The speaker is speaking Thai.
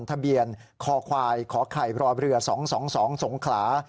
ทะเบียนคอควายขอไข่รอเรือ๒๒๒สงขลา